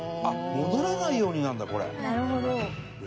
あっ戻らないようになんだこれ。